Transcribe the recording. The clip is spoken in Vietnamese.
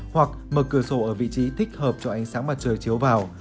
hoặc mở cửa sổ ở vị trí thích hợp cho ánh sáng mặt trời chiếu vào